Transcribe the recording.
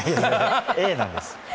Ａなんです。